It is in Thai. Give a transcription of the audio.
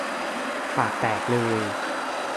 ปากแตกเลย